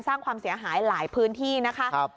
สร้างความเสียหายหลายพื้นที่นะคะ